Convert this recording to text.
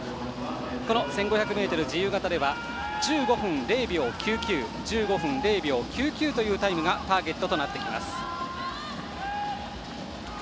この１５００ｍ自由形では１５分０秒９９というタイムがターゲットとなります。